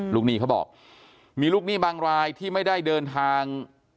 หนี้เขาบอกมีลูกหนี้บางรายที่ไม่ได้เดินทาง